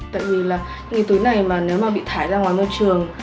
tại vì là cái tủy này mà nếu mà bị thải ra ngoài môi trường